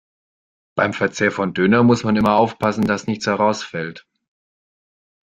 Beim Verzehr von Döner muss man immer aufpassen, dass nichts herausfällt.